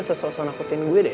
lo gak usah sosok nakutin gue deh